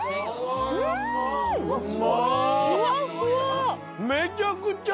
ふわっふわ。